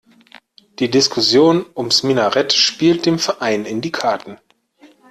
Die Diskussion ums Minarett spielt dem Verein in die Karten.